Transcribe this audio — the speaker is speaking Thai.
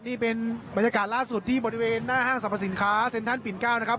นี่เป็นบรรยากาศล่าสุดที่บริเวณหน้าห้างสรรพสินค้าเซ็นทรัลปิ่น๙นะครับ